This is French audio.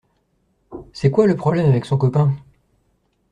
C’est quoi, le problème, avec son copain?